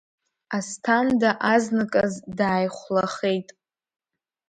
Асҭанда азныказ дааихәлахеит.